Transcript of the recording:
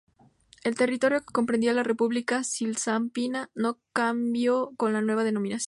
El territorio que comprendía la República Cisalpina no cambió con la nueva denominación.